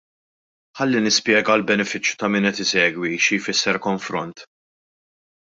Ħalli nispjega għall-benefiċċju ta' min qed isegwi xi jfisser konfront.